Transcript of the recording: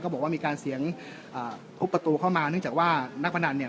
บอกว่ามีการเสียงอ่าทุบประตูเข้ามาเนื่องจากว่านักพนันเนี่ย